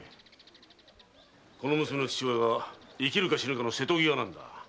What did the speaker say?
この娘の父親が生きるか死ぬかの瀬戸際なんだ。